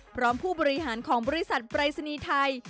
ผู้บริหารของบริษัทปรายศนีย์ไทย